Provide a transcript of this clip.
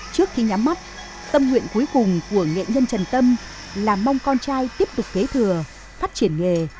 trước khi nhắm mắt tâm nguyện cuối cùng của nghệ nhân trần tâm là mong con trai tiếp tục kế thừa phát triển nghề